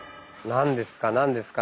何ですか？